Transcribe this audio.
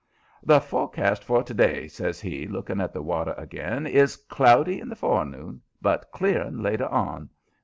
"The forecast for to day," says he, looking at the water again, "is cloudy in the forenoon, but clearing later on.